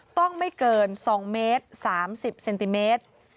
ต้องไม่เกิน๒เมตร๓๐เซนติเมตร